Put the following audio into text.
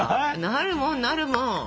なるもんなるもん。